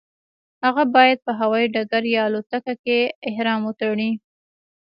هغه باید په هوایي ډګر یا الوتکه کې احرام وتړي.